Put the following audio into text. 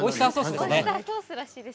オイスターソースみたいです。